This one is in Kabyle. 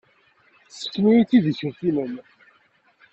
Ssken-iyi-d tidikelt-nnem.